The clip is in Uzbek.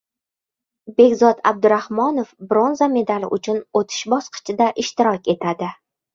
Bekzod Abdurahmonov bronza medali uchun o‘tish bosqichida ishtirok etadi